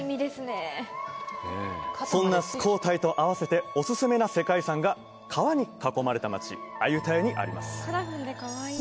そんなスコータイと併せてオススメな世界遺産が川に囲まれた街・アユタヤにあります